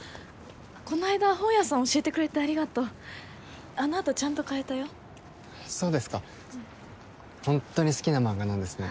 この間本屋さん教えてくれてありがとうあのあとちゃんと買えたよそうですかホントに好きな漫画なんですね